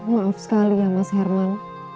maaf sekali ya mas herman